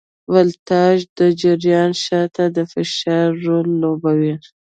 ولتاژ د جریان شاته د فشار رول لوبوي.